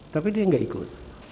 tapi dia tidak ikut